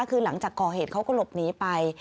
คือหลังจากก่อเหตุเขาก็หลบหนีไป